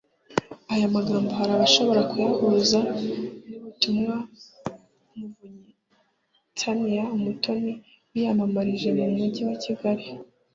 Aya magambyo hari abashobora kuyahuza n’ ubutumwa Muvunyi Tania Umutoni wiyamamarije mu mujyi wa Kigali